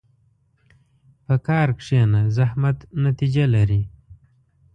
په کار کښېنه، زحمت نتیجه لري.